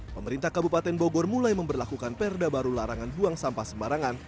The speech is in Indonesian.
pemerintah kabupaten bogor mulai memperlakukan perda baru larangan buang sampah sembarangan